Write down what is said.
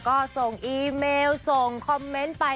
ก็ส่งอีเมลส่งคอมเมนต์ไป